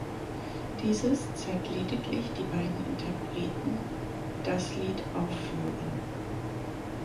Dieses zeigt lediglich die beiden Interpreten das Lied aufführen.